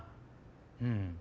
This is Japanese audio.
うん。